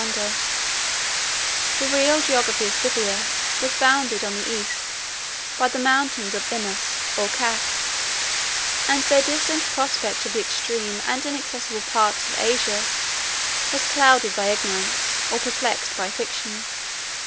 21 In the eyes of the Greeks and Persians, the real geography of Scythia was bounded, on the East, by the mountains of Imaus, or Caf; and their distant prospect of the extreme and inaccessible parts of Asia was clouded by ignorance, or perplexed by fiction.